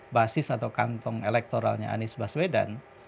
basis atau kantong elektoralnya anies baswedan